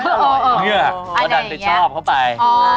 เนี่ยก็ดัดไปชอบเขาไป